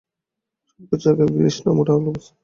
সবকিছু একা গিলিস না, মোটা আলুর বস্তা।